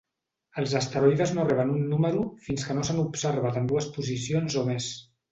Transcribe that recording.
Els asteroides no reben un número fins que no s"han observat en dues posicions o més.